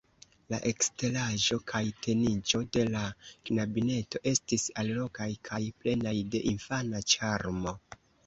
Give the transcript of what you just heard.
La eksteraĵo kaj teniĝo de la knabineto estis allogaj kaj plenaj de infana ĉarmo.